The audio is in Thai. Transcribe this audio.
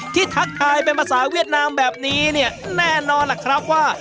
ทักทายเป็นภาษาเวียดนามแบบนี้เนี่ยแน่นอนล่ะครับว่า